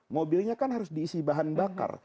mobilnya kan harus diisi bahan bakar